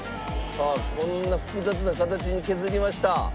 さあこんな複雑な形に削りました。